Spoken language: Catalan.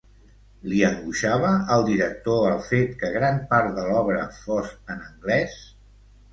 Li angoixava al director el fet que gran part de l'obra fos en anglès?